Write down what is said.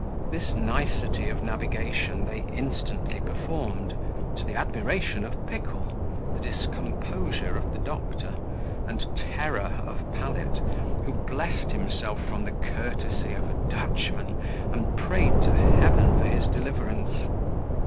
This nicety of navigation they instantly performed, to the admiration of Pickle, the discomposure of the doctor, and terror of Pallet, who blessed himself from the courtesy of a Dutchman, and prayed to Heaven for his deliverance.